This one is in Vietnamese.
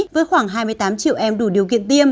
với khoảng hai mươi tám triệu em đủ điều kiện tiêm